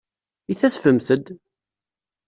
I tadfemt-d?